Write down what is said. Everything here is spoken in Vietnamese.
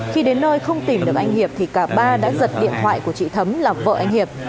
khi đến nơi không tìm được anh hiệp thì cả ba đã giật điện thoại của chị thấm là vợ anh hiệp